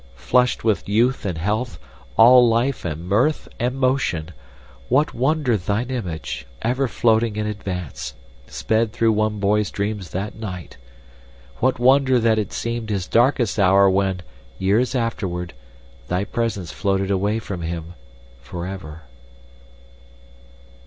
Flushed with youth and health, all life and mirth and motion, what wonder thine image, ever floating in advance, sped through one boy's dreams that night! What wonder that it seemed his darkest hour when, years afterward, thy presence floated away from him forever.